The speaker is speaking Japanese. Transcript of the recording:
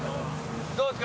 どうですか？